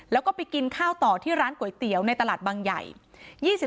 แล้วก็ไปกินข้าวต่อที่ร้านก๋วยเตี๋ยวในตลาดบางใหญ่